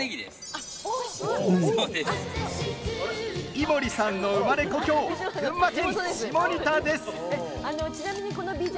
井森さんの生まれ故郷群馬県下仁田です。